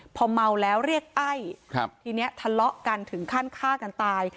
พอเมาแล้วเรียกไอ้ครับทีนี้ทะเลาะกันถึงขั้นฆ่ากันตาย